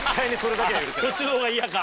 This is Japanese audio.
そっちの方が嫌か。